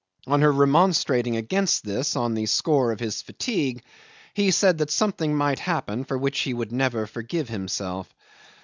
On her remonstrating against this on the score of his fatigue, he said that something might happen for which he would never forgive himself.